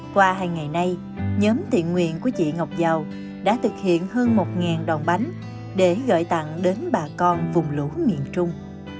qua hai ngày nay nhóm thiện nguyện của chị ngọc giao đã thực hiện hơn một đòn bánh để gợi tặng đến bà con vùng lũ miền trung